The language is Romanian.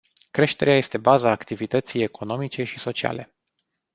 Creșterea este baza activității economice și sociale.